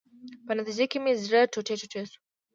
په نتیجه کې مې زړه ټوټې ټوټې شو.